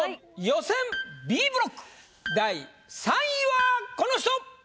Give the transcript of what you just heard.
予選Ｂブロック第３位はこの人！